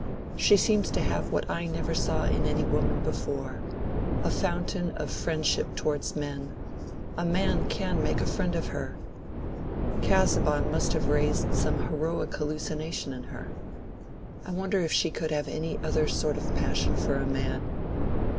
She seems to have what I never saw in any woman before—a fountain of friendship towards men—a man can make a friend of her. Casaubon must have raised some heroic hallucination in her. I wonder if she could have any other sort of passion for a man?